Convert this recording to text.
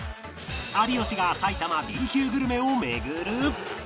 有吉が埼玉 Ｂ 級グルメを巡る